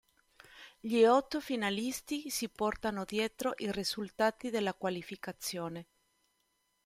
Gli otto finalisti si portano dietro i risultati della qualificazione.